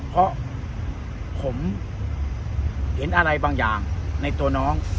เพราะผมเห็นอะไรบางอย่างในตัวน้อง